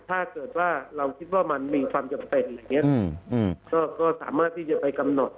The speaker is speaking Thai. ถ้าเกิดว่าเราคิดว่ามันมีความจำเป็นอย่างเงี้ยอืมอืมก็ก็สามารถที่จะไปกำหนด